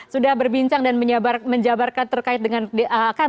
sudah berbincang dan menjabarkan terkait dengan